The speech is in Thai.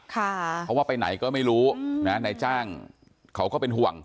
เพราะว่าไปไหนก็ไม่รู้นะนายจ้างเขาก็เป็นห่วง